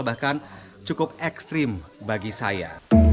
jadi ini menurut saya cukup ekstrim bagi saya